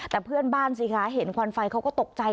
แต่เพื่อนบ้านสิคะเห็นควันไฟเขาก็ตกใจ